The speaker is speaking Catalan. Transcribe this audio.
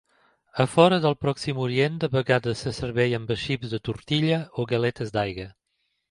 A fora del Pròxim Orient, de vegades se serveix amb xips de tortilla o galetes d'aigua.